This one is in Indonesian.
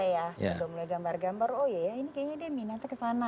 udah mulai gambar gambar oh iya ini kayaknya dia minatnya kesana